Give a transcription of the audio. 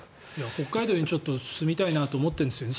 北海道に住みたいなと思ってるんですね。